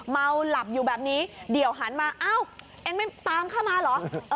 เมาหลับอยู่แบบนี้เดี๋ยวหันมาอ้าวเองไม่ตามเข้ามาเหรอ